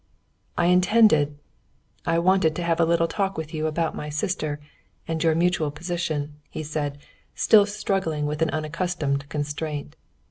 "I intended ... I wanted to have a little talk with you about my sister and your mutual position," he said, still struggling with an unaccustomed constraint.